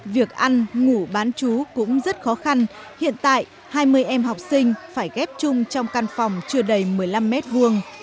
việc ăn ngủ bán chú cũng rất khó khăn hiện tại hai mươi em học sinh phải ghép chung trong căn phòng chưa đầy một mươi năm mét vuông